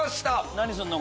何するの？